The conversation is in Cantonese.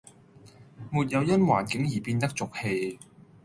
沒有因環境而變得俗氣